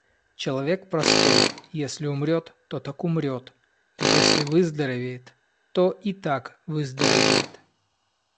Человек простой: если умрёт, то так умрёт, если выздоровеет, то и так выздоровеет.